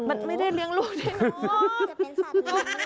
มันไม่ได้เลี้ยงลูกด้วยหน่อน